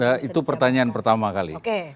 ya itu pertanyaan pertama kali